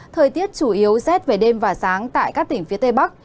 thời tiết chủ yếu rét về đêm và sáng tại các tỉnh phía tây bắc